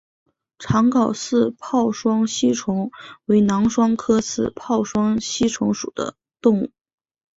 长睾似泡双吸虫为囊双科似泡双吸虫属的动物。